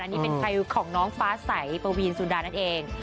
นี่เป็นใครของน้องฟ้าใสปวีนสุดานั่นเอง